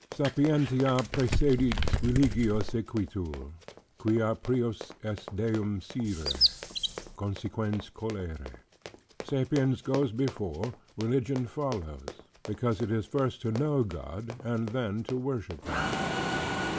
"Sapientia praecedit, Religio sequitur: quia prius est Deum scire, consequens colere"; "Sapience goes before, Religion follows: because it is first to know God, and then to worship Him."